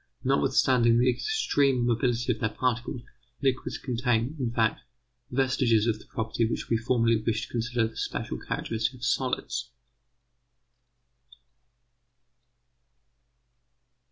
Notwithstanding the extreme mobility of their particles, liquids contain, in fact, vestiges of the property which we formerly wished to consider the special characteristic of solids.